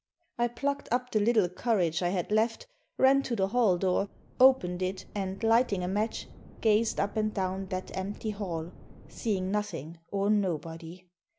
I plucked up the little courage I had left, ran to the hall door, opened it, and, lighting a match, gazed up and down that empty hall, seeing nothing or nobody.